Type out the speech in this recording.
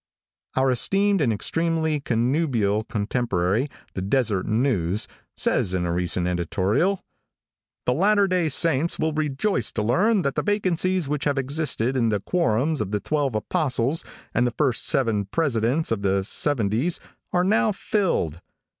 |OUR esteemed and extremely connubial contemporary, the Deseret News, says in a recent editorial: "The Latter day Saints will rejoice to learn that the' vacancies which have existed in the quorums of the twelve apostles and the first seven presidents of seventies are now filled.